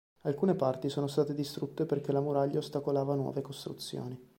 Alcune parti sono state distrutte perché la muraglia ostacolava nuove costruzioni.